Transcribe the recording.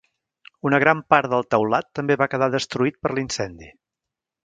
Una gran part del teulat també va quedar destruït per l'incendi.